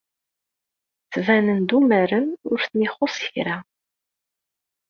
Ttbanen-d umaren, ur ten-ixuṣṣ kra.